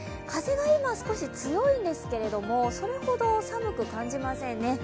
風が今少し強いんですけれどもそれほど寒く感じませんね。